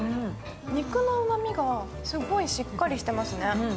肉のうまみがすごいしっかりしてますね。